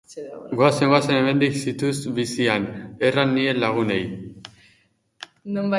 Goazen-goazen hemendik ziztu bizian!, erran nien lagunei.